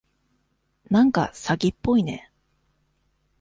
なんか詐欺っぽいね。